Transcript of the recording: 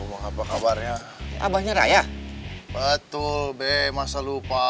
bapak ada apa